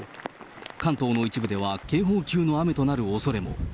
関東の一部では警報級の雨となるおそれも。